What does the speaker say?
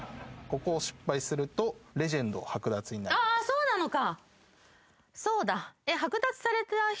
そうなのか。